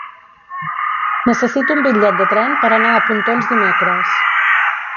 Necessito un bitllet de tren per anar a Pontons dimecres.